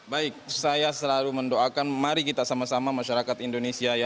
baik saya selalu mendoakan mari kita sama sama masyarakat indonesia ya